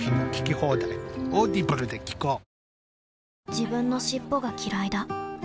自分の尻尾がきらいだ